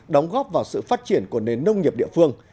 đóng góp vào sự phát triển của nền nông nghiệp địa phương